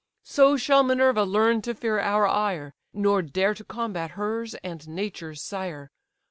So shall Minerva learn to fear our ire, Nor dare to combat hers and nature's sire.